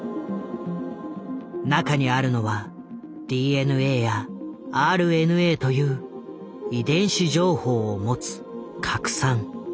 中にあるのはＤＮＡやＲＮＡという遺伝子情報を持つ「核酸」。